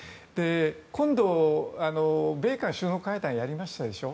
今度、米韓首脳会談をやりましたでしょ。